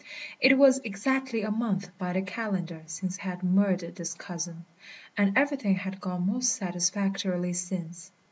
It was exactly a month by the calendar since he had murdered this cousin, and everything had gone most satisfactorily since.